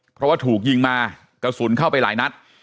เพราะว่าถูกยิงมากระสุนเข้าไปหลายนัด